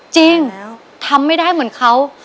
จริงทำไม่ได้เหมือนเขา